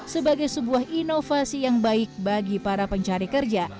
sebagai sebuah inovasi yang baik bagi para pencari kerja